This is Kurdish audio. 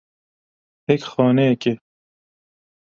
Hêk xaneyek e.